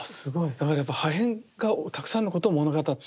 だからやっぱ破片がたくさんのことを物語ってる。